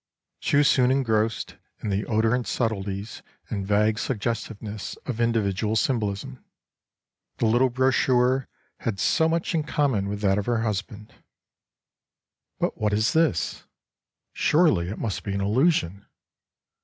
She was soon engrossed in the odorant subtleties and vague suggestiveness of individual symbolism. The little brochure had so much in common with that of her husband. 25 But what is this? Surely it must be an illusion.